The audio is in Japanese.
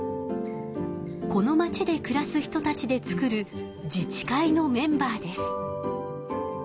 このまちでくらす人たちで作る自治会のメンバーです。